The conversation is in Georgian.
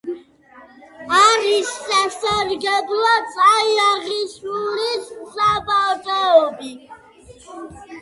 არის სასარგებლო წიაღისეულის საბადოები.